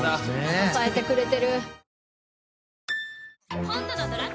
支えてくれてる。